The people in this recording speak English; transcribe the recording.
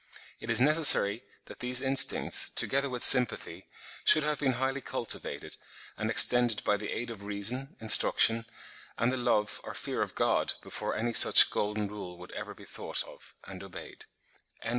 It is necessary that these instincts, together with sympathy, should have been highly cultivated and extended by the aid of reason, instruction, and the love or fear of God, before any such golden rule would ever be thought of and obeyed.)